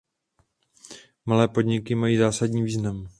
Malé podniky mají zásadní význam.